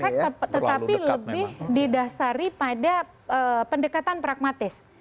efek tetapi lebih didasari pada pendekatan pragmatis